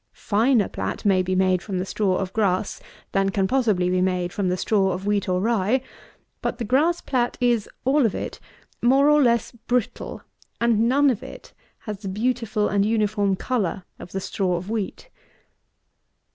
Finer plat may be made from the straw of grass than can possibly be made from the straw of wheat or rye: but the grass plat is, all of it, more or less brittle; and none of it has the beautiful and uniform colour of the straw of wheat.